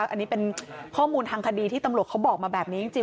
อันนี้เป็นข้อมูลทางคดีที่ตำรวจเขาบอกมาแบบนี้จริง